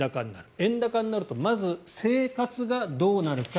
円高になるとまず生活がどうなるか。